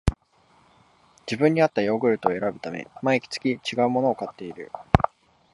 自分にあったヨーグルトを選ぶため、毎月ちがうものを買っている